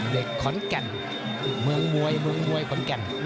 เด็กขอนแก่นเมืองมวยเมืองมวยขอนแก่น